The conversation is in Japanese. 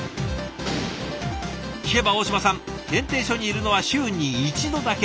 聞けば大嶋さん検定所にいるのは週に１度だけ。